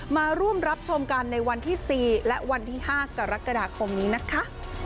มาร่วมรับชมกันในวันที่๔และวันที่๕กรกฎาคมนี้นะคะ